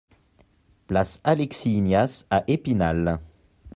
Place Alexis Ignace à Épinal